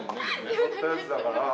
撮ったやつだから。